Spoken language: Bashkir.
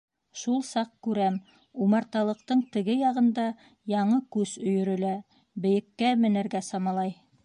Шул саҡ күрәм: умарталыҡтың теге яғында яңы күс өйөрөлә, бейеккә менергә самалай.